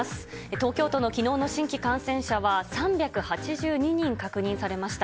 東京都のきのうの新規感染者は３８２人確認されました。